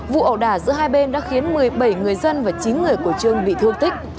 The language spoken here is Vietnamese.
vụ ẩu đả giữa hai bên đã khiến một mươi bảy người dân và chín người của trương bị thương tích